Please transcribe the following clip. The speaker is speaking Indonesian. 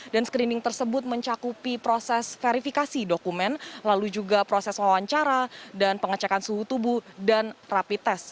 dan screening tersebut mencakupi proses verifikasi dokumen lalu juga proses wawancara dan pengecekan suhu tubuh dan rapi tes